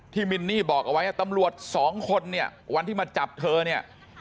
มินนี่บอกเอาไว้ตำรวจสองคนเนี่ยวันที่มาจับเธอเนี่ย